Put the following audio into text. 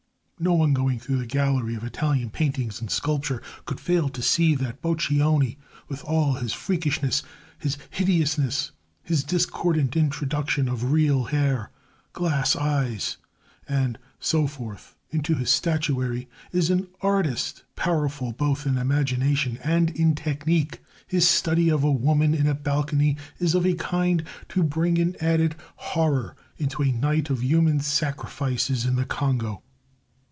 No one going through the gallery of Italian paintings and sculpture could fail to see that Boccioni, with all his freakishness, his hideousness, his discordant introduction of real hair, glass eyes, and so forth into his statuary, is an artist powerful both in imagination and in technique. His study of a woman in a balcony is of a kind to bring an added horror into a night of human sacrifices in the Congo.